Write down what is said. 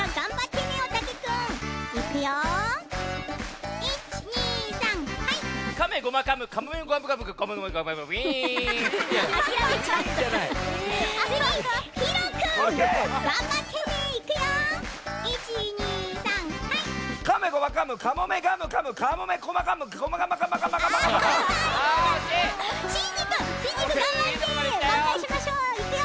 ばんかいしましょう。いくよ。